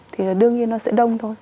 thì đương nhiên nó sẽ đông thôi